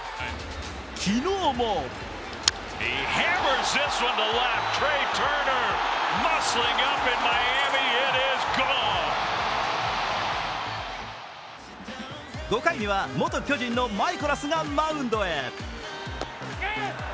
昨日も５回には元巨人のマイコラスがマウンドへ。